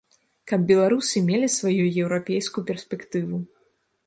Каб беларусы мелі сваю еўрапейскую перспектыву.